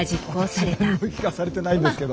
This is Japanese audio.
何も聞かされてないんですけど。